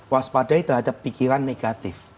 waaspadai terhadap pikiran negatif